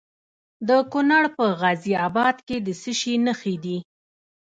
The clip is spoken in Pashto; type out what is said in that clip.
د کونړ په غازي اباد کې د څه شي نښې دي؟